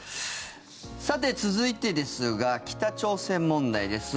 さて、続いてですが北朝鮮問題です。